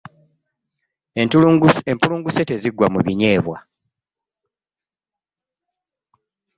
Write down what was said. Empulunguse teziggwa mu binnyebwa.